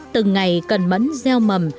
từng ngày cần mẫn gieo mầm